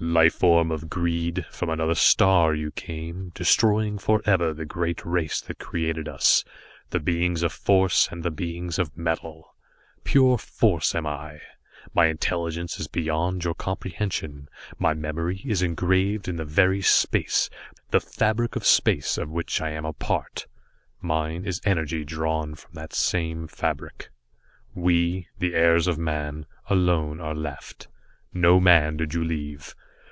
"Life form of greed, from another star you came, destroying forever the great race that created us, the Beings of Force and the Beings of Metal. Pure force am I. My Intelligence is beyond your comprehension, my memory is engraved in the very space, the fabric of space of which I am a part, mine is energy drawn from that same fabric. "We, the heirs of man, alone are left; no man did you leave.